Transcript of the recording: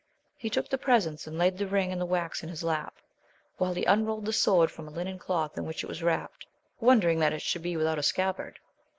He took the presents, and laid the ring and the wax in his lap, while he unrolled the sword from a linen cloth in which it was wrapt, wondering that it should be without a scabbard.